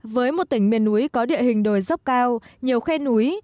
với một tỉnh miền núi có địa hình đồi dốc cao nhiều khe núi